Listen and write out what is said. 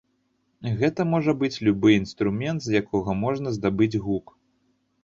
Гэта можа быць любы інструмент з якога можна здабыць гук.